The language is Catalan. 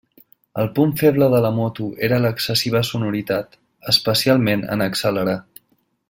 El punt feble de la moto era l'excessiva sonoritat, especialment en accelerar.